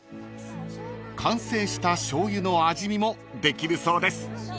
［完成した醤油の味見もできるそうです］